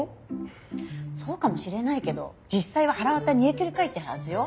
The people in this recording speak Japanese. そうかもしれないけど実際ははらわた煮えくり返ってるはずよ。